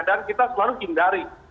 dan kita selalu hindari